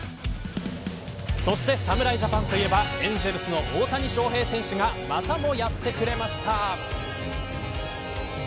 そして、侍ジャパンといえばエンゼルスの大谷翔平選手がまたも、やってくれました。